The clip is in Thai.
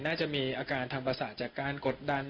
น่าจะมีอาการทางประสาทจากการกดดัน